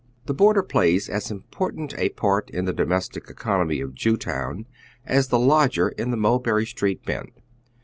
The boarder plays as important a part in the domestic economy of Jewtown as tlie lodger in the Mulberry Street Bend.